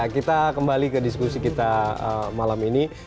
sekali lagi balik lagi ke diskusi kita malam ini